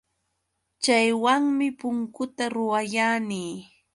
Chaywanmi punkuta ruwayani.